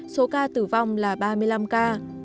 số ca tử vong là ba mươi năm ca